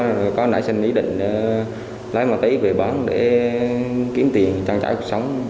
rồi có nãy xin ý định lái ma túy về bán để kiếm tiền trang trái cuộc sống